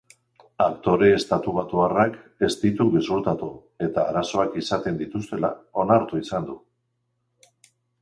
Aktore estatubatuarrak ez ditu gezurtatu eta arazoak izaten dituztela onartu izan du.